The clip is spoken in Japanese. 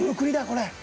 これ。